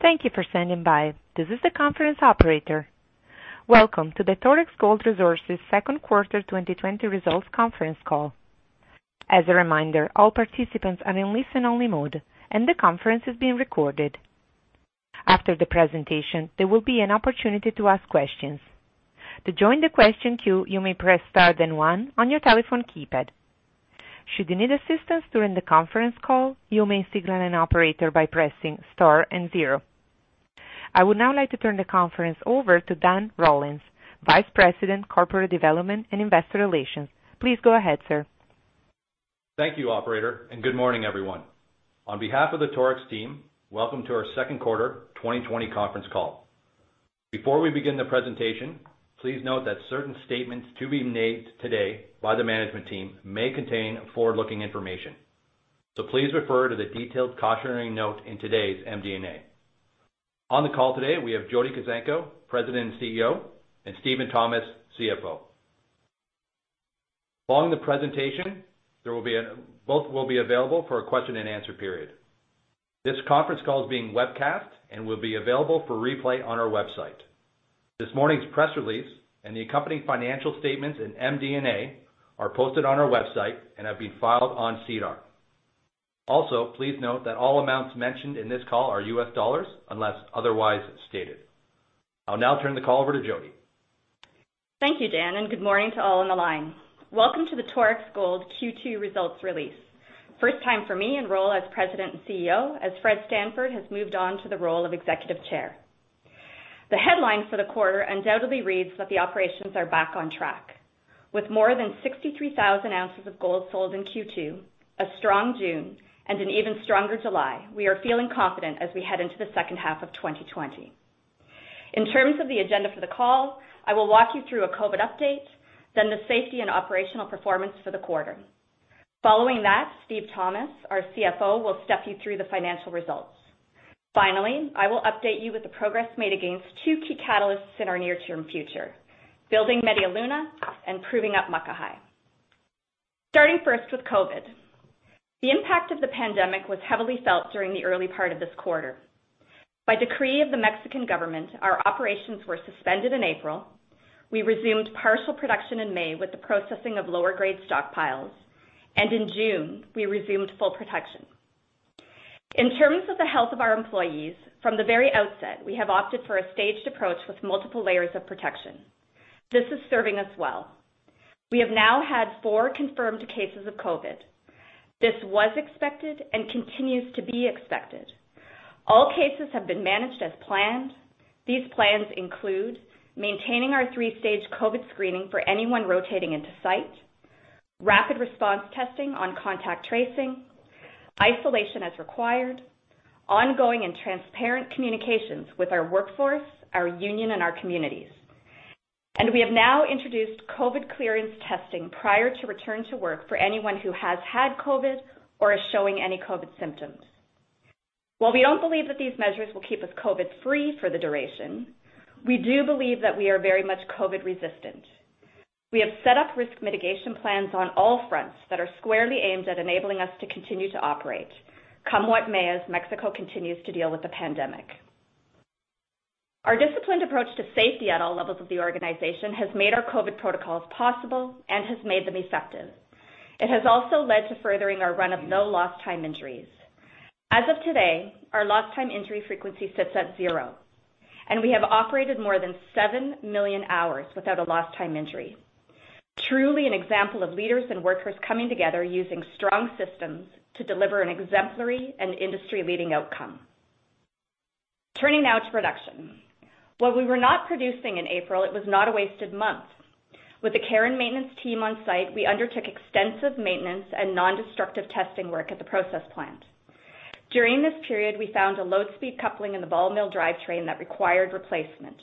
Thank you for standing by. This is the conference operator. Welcome to the Torex Gold Resources second quarter 2020 results conference call. As a reminder, all participants are in listen-only mode, and the conference is being recorded. After the presentation, there will be an opportunity to ask questions. To join the question queue, you may press star then one on your telephone keypad. Should you need assistance during the conference call, you may signal an operator by pressing star and zero. I would now like to turn the conference over to Dan Rollins, Vice President, Corporate Development and Investor Relations. Please go ahead, sir. Thank you, Operator, and good morning, everyone. On behalf of the Torex team, welcome to our second quarter 2020 conference call. Before we begin the presentation, please note that certain statements to be made today by the management team may contain forward-looking information. Please refer to the detailed cautionary note in today's MD&A. On the call today, we have Jody Kuzenko, President and CEO, and Steven Thomas, CFO. Following the presentation, both will be available for a question and answer period. This conference call is being webcast and will be available for replay on our website. This morning's press release and the accompanying financial statements and MD&A are posted on our website and have been filed on SEDAR. Also, please note that all amounts mentioned in this call are US dollars, unless otherwise stated. I'll now turn the call over to Jody. Thank you, Dan. Good morning to all on the line. Welcome to the Torex Gold Q2 results release. First time for me in role as President and CEO, as Fred Stanford has moved on to the role of Executive Chair. The headline for the quarter undoubtedly reads that the operations are back on track. With more than 63,000 ounces of gold sold in Q2, a strong June, and an even stronger July, we are feeling confident as we head into the second half of 2020. In terms of the agenda for the call, I will walk you through a COVID update, the safety and operational performance for the quarter. Following that, Steven Thomas, our CFO, will step you through the financial results. Finally, I will update you with the progress made against two key catalysts in our near-term future, building Media Luna and proving up Muckahi. Starting first with COVID. The impact of the pandemic was heavily felt during the early part of this quarter. By decree of the Mexican government, our operations were suspended in April. We resumed partial production in May with the processing of lower-grade stockpiles, and in June, we resumed full production. In terms of the health of our employees, from the very outset, we have opted for a staged approach with multiple layers of protection. This is serving us well. We have now had four confirmed cases of COVID. This was expected and continues to be expected. All cases have been managed as planned. These plans include maintaining our three-stage COVID screening for anyone rotating into site, rapid response testing on contact tracing, isolation as required, ongoing and transparent communications with our workforce, our union, and our communities. We have now introduced COVID clearance testing prior to return to work for anyone who has had COVID or is showing any COVID symptoms. While we don't believe that these measures will keep us COVID-free for the duration, we do believe that we are very much COVID-resistant. We have set up risk mitigation plans on all fronts that are squarely aimed at enabling us to continue to operate, come what may, as Mexico continues to deal with the pandemic. Our disciplined approach to safety at all levels of the organization has made our COVID protocols possible and has made them effective. It has also led to furthering our run of no lost time injuries. As of today, our lost time injury frequency sits at zero, and we have operated more than 7 million hours without a lost time injury. Truly an example of leaders and workers coming together using strong systems to deliver an exemplary and industry-leading outcome. Turning now to production. While we were not producing in April, it was not a wasted month. With the care and maintenance team on site, we undertook extensive maintenance and non-destructive testing work at the process plant. During this period, we found a low-speed coupling in the ball mill drivetrain that required replacement.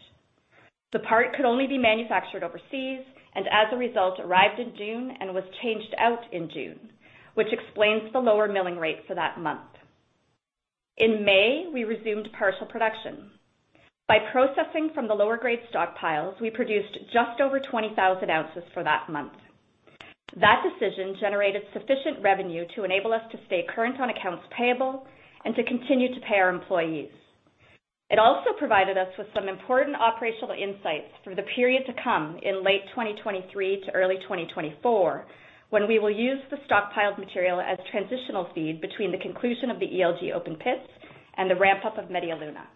As a result, arrived in June and was changed out in June, which explains the lower milling rate for that month. In May, we resumed partial production. By processing from the lower grade stockpiles, we produced just over 20,000 ounces for that month. That decision generated sufficient revenue to enable us to stay current on accounts payable and to continue to pay our employees. It also provided us with some important operational insights for the period to come in late 2023 to early 2024, when we will use the stockpiled material as transitional feed between the conclusion of the ELG open pits and the ramp-up of Media Luna.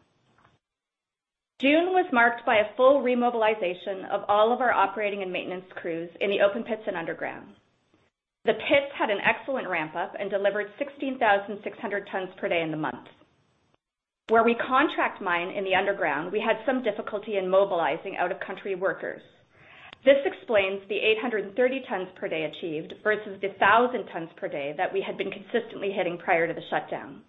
June was marked by a full remobilization of all of our operating and maintenance crews in the open pits and underground. The pits had an excellent ramp-up and delivered 16,600 tons per day in the month. Where we contract mine in the underground, we had some difficulty in mobilizing out-of-country workers. This explains the 830 tons per day achieved versus the 1,000 tons per day that we had been consistently hitting prior to the shutdown.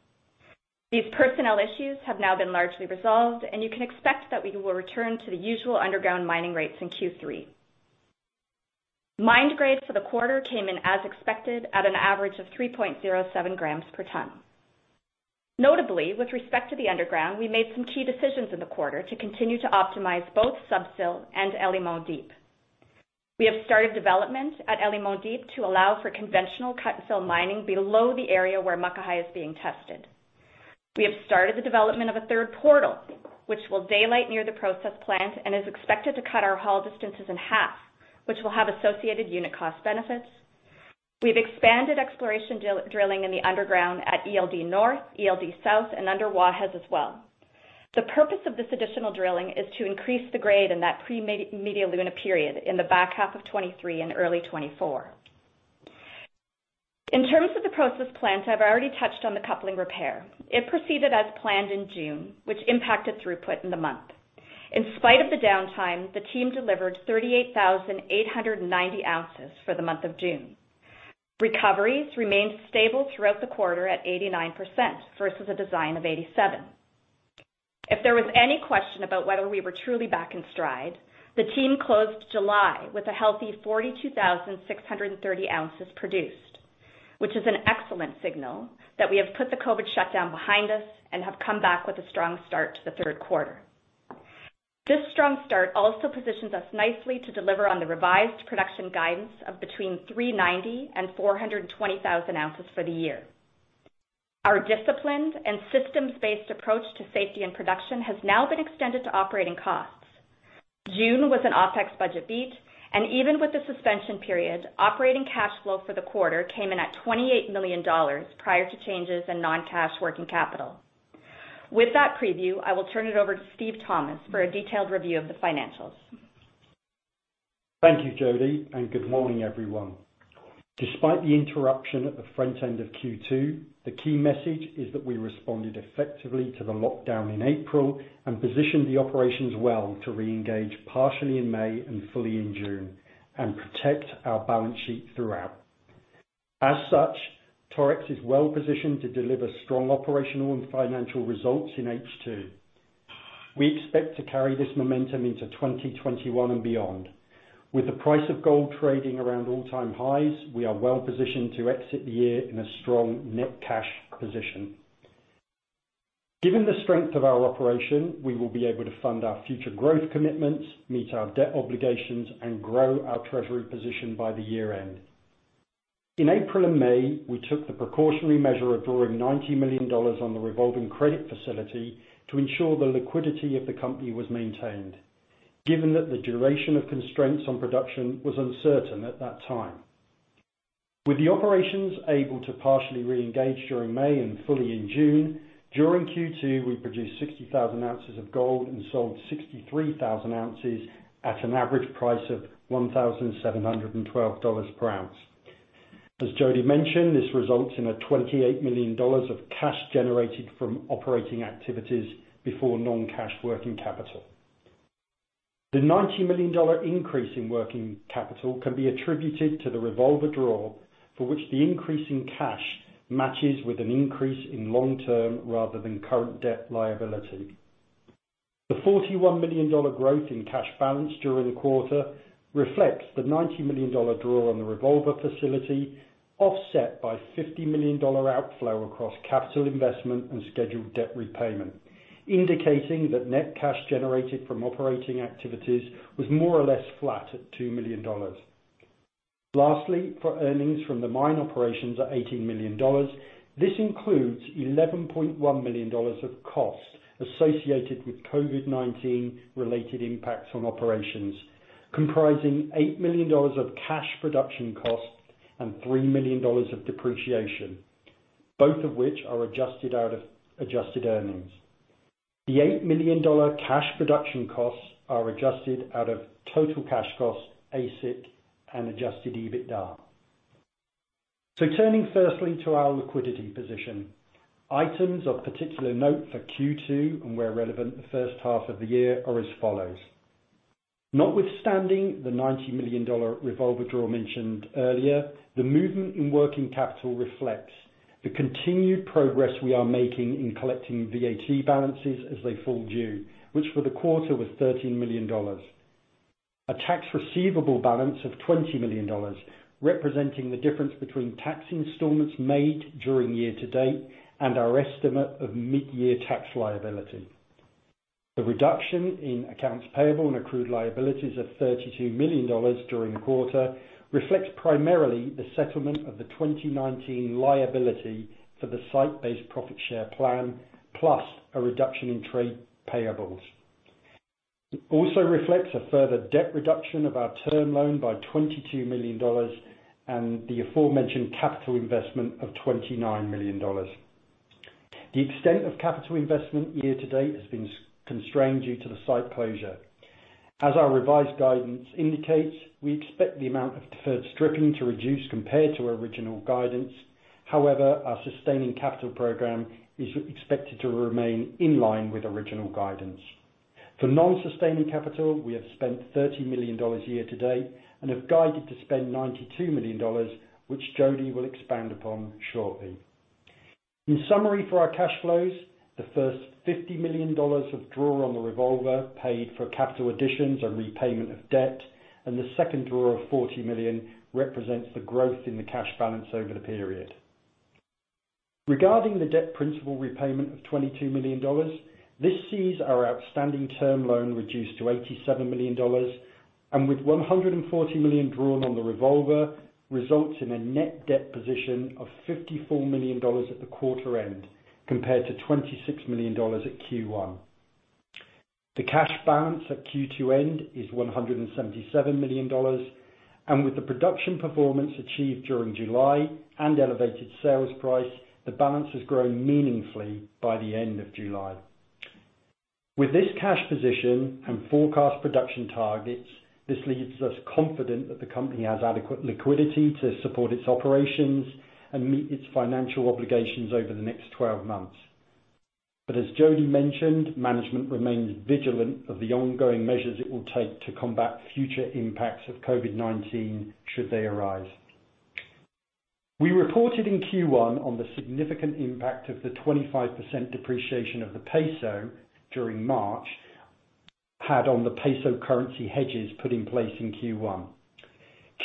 These personnel issues have now been largely resolved, and you can expect that we will return to the usual underground mining rates in Q3. Mined grades for the quarter came in as expected at an average of 3.07 grams per ton. Notably, with respect to the underground, we made some key decisions in the quarter to continue to optimize both Sub-Sill and El Limón Deep. We have started development at El Limón Deep to allow for conventional cut-and-fill mining below the area where Muckahi is being tested. We have started the development of a third portal, which will daylight near the process plant and is expected to cut our haul distances in half, which will have associated unit cost benefits. We've expanded exploration drilling in the underground at ELD North, ELD South, and under Guajes as well. The purpose of this additional drilling is to increase the grade in that pre-Media Luna period in the back half of 2023 and early 2024. In terms of the process plant, I've already touched on the coupling repair. It proceeded as planned in June, which impacted throughput in the month. In spite of the downtime, the team delivered 38,890 ounces for the month of June. Recoveries remained stable throughout the quarter at 89% versus a design of 87%. If there was any question about whether we were truly back in stride, the team closed July with a healthy 42,630 oz produced, which is an excellent signal that we have put the COVID shutdown behind us and have come back with a strong start to the third quarter. This strong start also positions us nicely to deliver on the revised production guidance of between 390,000 and 420,000 oz for the year. Our disciplined and systems-based approach to safety and production has now been extended to operating costs. June was an OPEX budget beat. Even with the suspension period, operating cash flow for the quarter came in at $28 million prior to changes in non-cash working capital. With that preview, I will turn it over to Steve Thomas for a detailed review of the financials. Thank you, Jody, and good morning, everyone. Despite the interruption at the front end of Q2, the key message is that we responded effectively to the lockdown in April and positioned the operations well to reengage partially in May and fully in June, and protect our balance sheet throughout. As such, Torex is well-positioned to deliver strong operational and financial results in H2. We expect to carry this momentum into 2021 and beyond. With the price of gold trading around all-time highs, we are well-positioned to exit the year in a strong net cash position. Given the strength of our operation, we will be able to fund our future growth commitments, meet our debt obligations, and grow our treasury position by the year-end. In April and May, we took the precautionary measure of drawing $90 million on the revolving credit facility to ensure the liquidity of the company was maintained, given that the duration of constraints on production was uncertain at that time. With the operations able to partially reengage during May and fully in June, during Q2, we produced 60,000 oz of gold and sold 63,000 oz at an average price of $1,712 per ounce. As Jody mentioned, this results in a $28 million of cash generated from operating activities before non-cash working capital. The $90 million increase in working capital can be attributed to the revolver draw, for which the increase in cash matches with an increase in long-term rather than current debt liability. The $41 million growth in cash balance during the quarter reflects the $90 million draw on the revolver facility, offset by $50 million outflow across capital investment and scheduled debt repayment, indicating that net cash generated from operating activities was more or less flat at $2 million. For earnings from the mine operations at $18 million, this includes $11.1 million of costs associated with COVID-19 related impacts on operations, comprising $8 million of cash production costs and $3 million of depreciation, both of which are adjusted out of adjusted earnings. The $8 million cash production costs are adjusted out of total cash costs, AISC, and adjusted EBITDA. Turning firstly to our liquidity position. Items of particular note for Q2, and where relevant, the first half of the year, are as follows. Notwithstanding the $90 million revolver draw mentioned earlier, the movement in working capital reflects the continued progress we are making in collecting VAT balances as they fall due, which for the quarter was $13 million. A tax receivable balance of $20 million, representing the difference between tax installments made during year-to-date and our estimate of mid-year tax liability. The reduction in accounts payable and accrued liabilities of $32 million during the quarter reflects primarily the settlement of the 2019 liability for the site-based profit share plan, plus a reduction in trade payables. It also reflects a further debt reduction of our term loan by $22 million and the aforementioned capital investment of $29 million. The extent of capital investment year-to-date has been constrained due to the site closure. As our revised guidance indicates, we expect the amount of deferred stripping to reduce compared to our original guidance. However, our sustaining capital program is expected to remain in line with original guidance. For non-sustaining capital, we have spent $30 million year-to-date and have guided to spend $92 million, which Jody will expand upon shortly. In summary, for our cash flows, the first $50 million of draw on the revolver paid for capital additions and repayment of debt, and the second draw of $40 million represents the growth in the cash balance over the period. Regarding the debt principal repayment of $22 million, this sees our outstanding term loan reduced to $87 million and with $140 million drawn on the revolver, results in a net debt position of $54 million at the quarter end, compared to $26 million at Q1. The cash balance at Q2 end is $177 million. With the production performance achieved during July and elevated sales price, the balance has grown meaningfully by the end of July. With this cash position and forecast production targets, this leaves us confident that the company has adequate liquidity to support its operations and meet its financial obligations over the next 12 months. As Jody mentioned, management remains vigilant of the ongoing measures it will take to combat future impacts of Covid-19 should they arise. We reported in Q1 on the significant impact of the 25% depreciation of the peso during March had on the peso currency hedges put in place in Q1.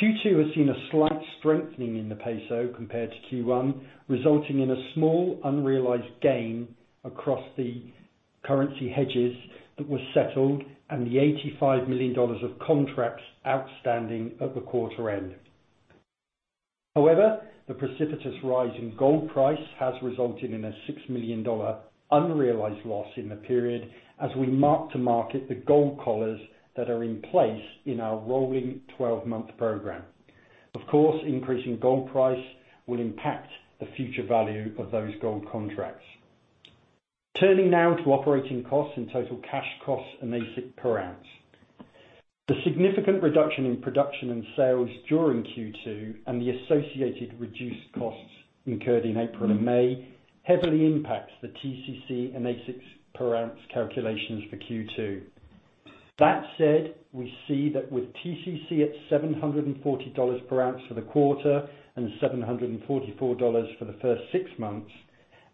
Q2 has seen a slight strengthening in the peso compared to Q1, resulting in a small unrealized gain across the currency hedges that were settled and the $85 million of contracts outstanding at the quarter end. However, the precipitous rise in gold price has resulted in a $6 million unrealized loss in the period as we mark-to-market the gold collars that are in place in our rolling 12-month program. Of course, increasing gold price will impact the future value of those gold contracts. Turning now to operating costs and total cash costs and AISC per ounce. The significant reduction in production and sales during Q2 and the associated reduced costs incurred in April and May heavily impacts the TCC and AISC per ounce calculations for Q2. That said, we see that with TCC at $740 per ounce for the quarter and $744 for the first six months,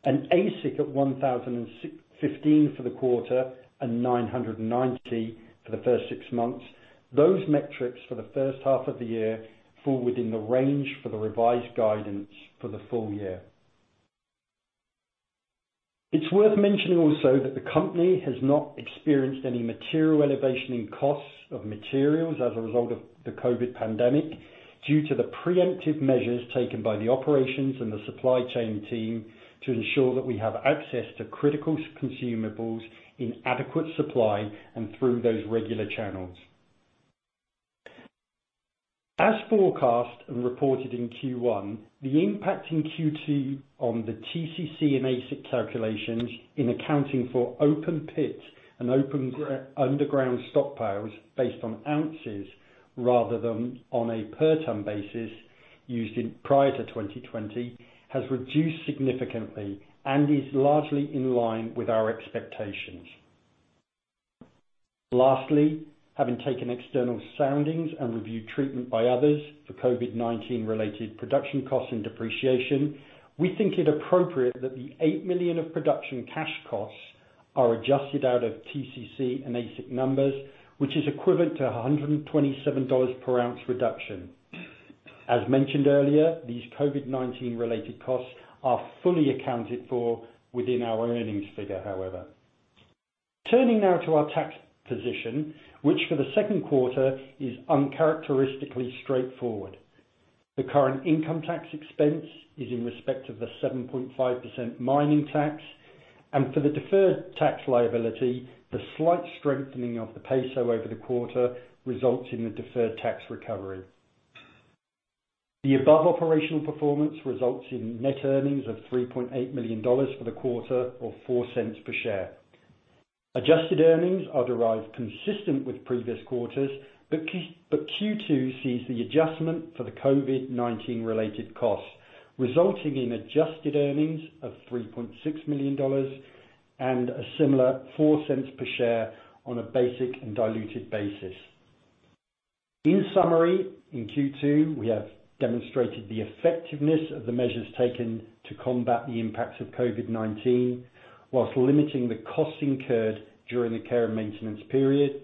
and AISC at $1,015 for the quarter and $990 for the first six months, those metrics for the first half of the year fall within the range for the revised guidance for the full year. It's worth mentioning also that the company has not experienced any material elevation in costs of materials as a result of the COVID pandemic due to the preemptive measures taken by the operations and the supply chain team to ensure that we have access to critical consumables in adequate supply and through those regular channels. As forecast and reported in Q1, the impact in Q2 on the TCC and AISC calculations in accounting for open pit and open underground stockpiles based on ounces rather than on a per ton basis used in prior to 2020, has reduced significantly and is largely in line with our expectations. Lastly, having taken external soundings and reviewed treatment by others for Covid-19 related production costs and depreciation, we think it appropriate that the $8 million of production cash costs are adjusted out of TCC and AISC numbers, which is equivalent to $127 per ounce reduction. As mentioned earlier, these Covid-19 related costs are fully accounted for within our earnings figure, however. Turning now to our tax position, which for the second quarter is uncharacteristically straightforward. The current income tax expense is in respect of the 7.5% mining tax, and for the deferred tax liability, the slight strengthening of the peso over the quarter results in the deferred tax recovery. The above operational performance results in net earnings of $3.8 million for the quarter of $0.04 per share. Adjusted earnings are derived consistent with previous quarters. Q2 sees the adjustment for the Covid-19 related costs, resulting in adjusted earnings of $3.6 million and a similar $0.04 per share on a basic and diluted basis. In summary, in Q2, we have demonstrated the effectiveness of the measures taken to combat the impacts of Covid-19, while limiting the costs incurred during the care and maintenance period.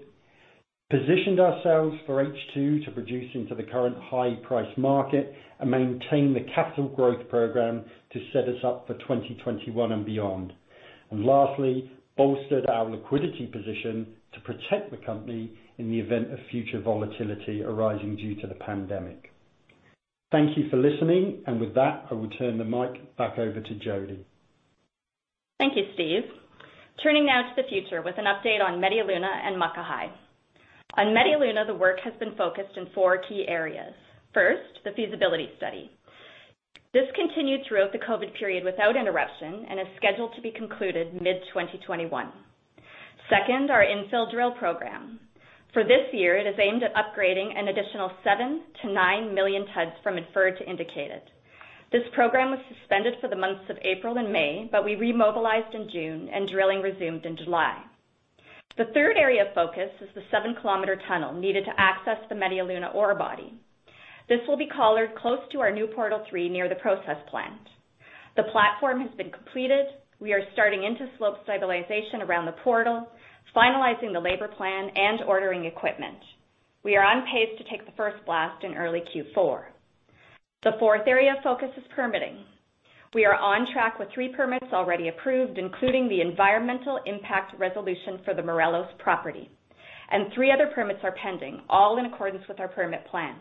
We have positioned ourselves for H2 to produce into the current high price market and maintain the capital growth program to set us up for 2021 and beyond. Lastly, we have bolstered our liquidity position to protect the company in the event of future volatility arising due to the pandemic. Thank you for listening. With that, I will turn the mic back over to Jody. Thank you, Steve. Turning now to the future with an update on Media Luna and Muckahi. On Media Luna, the work has been focused in four key areas. First, the feasibility study. This continued throughout the COVID period without interruption and is scheduled to be concluded mid-2021. Second, our infill drill program. For this year, it is aimed at upgrading an additional 7 million-9 million tons from inferred to indicated. This program was suspended for the months of April and May, but we remobilized in June and drilling resumed in July. The third area of focus is the 7 km tunnel needed to access the Media Luna ore body. This will be collared close to our new portal three near the process plant. The platform has been completed. We are starting into slope stabilization around the portal, finalizing the labor plan and ordering equipment. We are on pace to take the first blast in early Q4. The fourth area of focus is permitting. We are on track with three permits already approved, including the environmental impact resolution for the Morelos Gold Property, and three other permits are pending, all in accordance with our permit plan.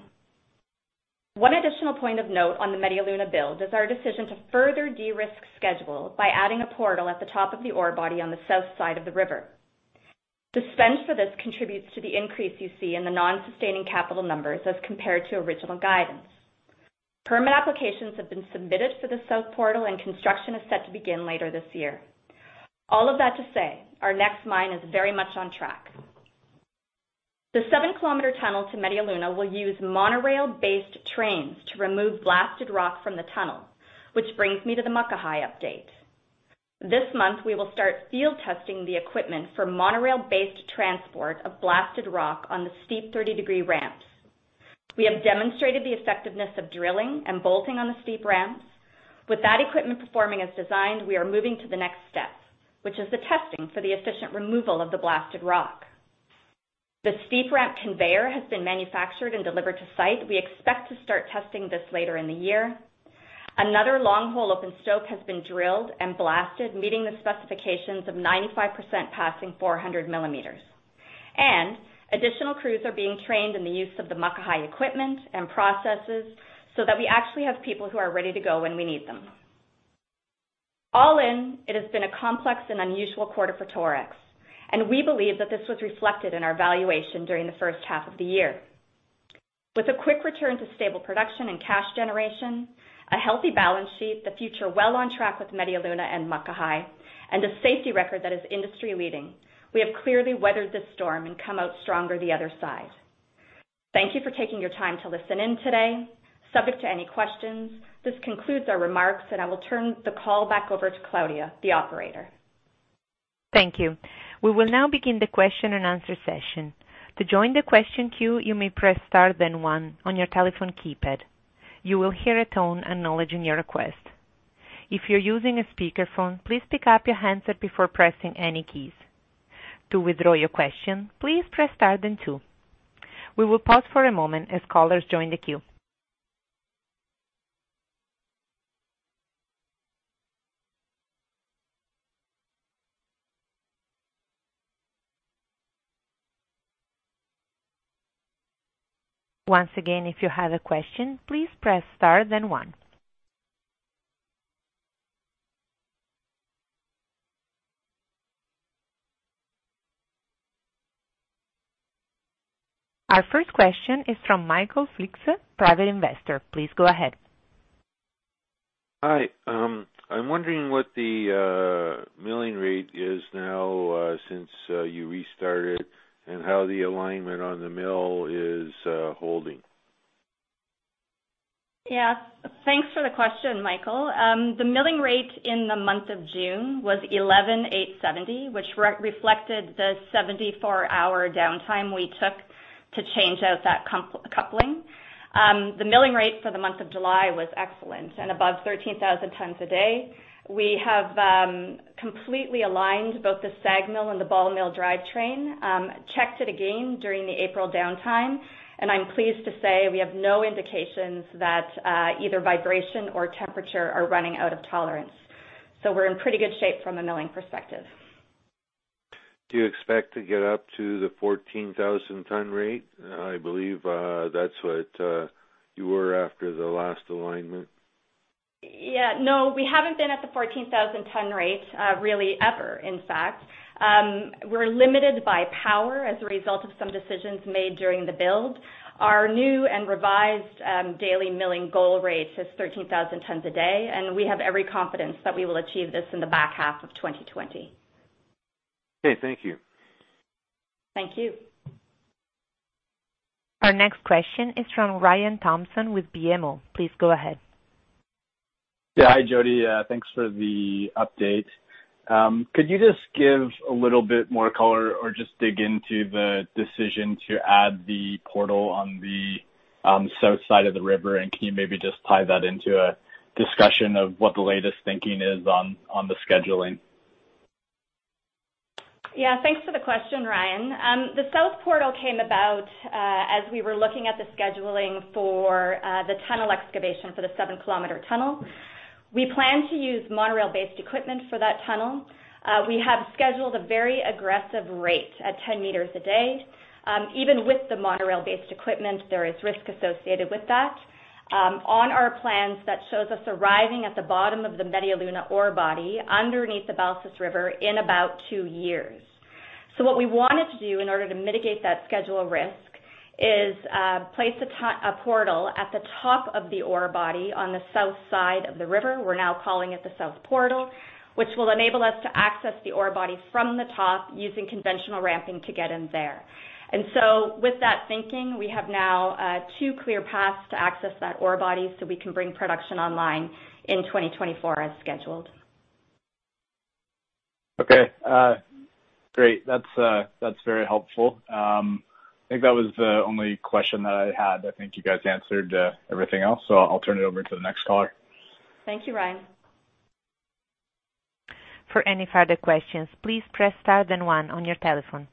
One additional point of note on the Media Luna build is our decision to further de-risk schedule by adding a portal at the top of the ore body on the south side of the river. The spend for this contributes to the increase you see in the non-sustaining capital numbers as compared to original guidance. Permit applications have been submitted for the south portal, and construction is set to begin later this year. All of that to say, our next mine is very much on track. The 7 km tunnel to Media Luna will use monorail-based trains to remove blasted rock from the tunnel, which brings me to the Muckahi update. This month, we will start field testing the equipment for monorail-based transport of blasted rock on the steep 30-degree ramps. We have demonstrated the effectiveness of drilling and bolting on the steep ramps. With that equipment performing as designed, we are moving to the next step, which is the testing for the efficient removal of the blasted rock. The steep ramp conveyor has been manufactured and delivered to site. We expect to start testing this later in the year. Another long-hole open stope has been drilled and blasted, meeting the specifications of 95% passing 400 mm. Additional crews are being trained in the use of the Muckahi equipment and processes so that we actually have people who are ready to go when we need them. All in, it has been a complex and unusual quarter for Torex, and we believe that this was reflected in our valuation during the first half of the year. With a quick return to stable production and cash generation, a healthy balance sheet, the future well on track with Media Luna and Muckahi, and a safety record that is industry-leading, we have clearly weathered this storm and come out stronger the other side. Thank you for taking your time to listen in today. Subject to any questions, this concludes our remarks, and I will turn the call back over to Claudia, the operator. Thank you. We will now begin the question and answer session. To join the question queue, you may press star then one on your telephone keypad. You will hear a tone acknowledging your request. If you're using a speakerphone, please pick up your handset before pressing any keys. To withdraw your question, please press star then two. We will pause for a moment as callers join the queue. Once again, if you have a question, please press star then one. Our first question is from Michael Flix, private investor. Please go ahead. Hi. I'm wondering what the milling rate is now since you restarted and how the alignment on the mill is holding? Thanks for the question, Michael. The milling rate in the month of June was 11,870, which reflected the 74-hour downtime we took to change out that coupling. The milling rate for the month of July was excellent and above 13,000 tons a day. We have completely aligned both the SAG mill and the ball mill drivetrain, checked it again during the April downtime, and I'm pleased to say we have no indications that either vibration or temperature are running out of tolerance. We're in pretty good shape from a milling perspective. Do you expect to get up to the 14,000 ton rate? I believe that's what you were after the last alignment. No, we haven't been at the 14,000 ton rate really ever, in fact. We're limited by power as a result of some decisions made during the build. Our new and revised daily milling goal rate is 13,000 tons a day, and we have every confidence that we will achieve this in the back half of 2020. Okay, thank you. Thank you. Our next question is from Ryan Thompson with BMO. Please go ahead. Hi, Jody. Thanks for the update. Could you just give a little bit more color or just dig into the decision to add the portal on the south side of the river, and can you maybe just tie that into a discussion of what the latest thinking is on the scheduling? Thanks for the question, Ryan. The South Portal came about as we were looking at the scheduling for the tunnel excavation for the 7 km tunnel. We plan to use monorail-based equipment for that tunnel. We have scheduled a very aggressive rate at 10 m a day. Even with the monorail-based equipment, there is risk associated with that. On our plans, that shows us arriving at the bottom of the Media Luna ore body underneath the Balsas River in about two years. What we wanted to do in order to mitigate that schedule risk is place a portal at the top of the ore body on the south side of the river, we're now calling it the South Portal, which will enable us to access the ore body from the top using conventional ramping to get in there. With that thinking, we have now two clear paths to access that ore body so we can bring production online in 2024 as scheduled. Okay. Great. That's very helpful. I think that was the only question that I had. I think you guys answered everything else, so I'll turn it over to the next caller. Thank you, Ryan. For any further questions, please press star then one on your telephone.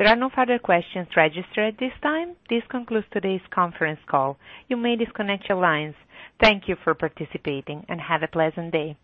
There are no further questions registered at this time. This concludes today's conference call. You may disconnect your lines. Thank you for participating, and have a pleasant day.